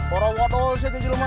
orang orang di sini juga